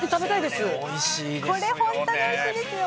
これ本当においしいですよ。